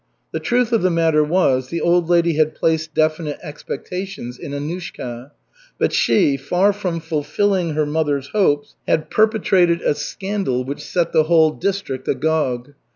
The truth of the matter was, the old lady had placed definite expectations in Annushka, but she, far from fulfilling her mother's hopes, had perpetrated a scandal which set the whole district agog.